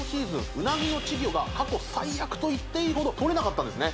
うなぎの稚魚が過去最悪と言っていいほどとれなかったんですね